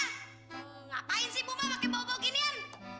ngapain sih buma pakai bau bau ginian